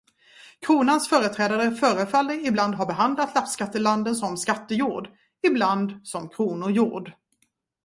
Kronans företrädare förefaller ibland ha behandlat lappskattelanden som skattejord, ibland som kronojord.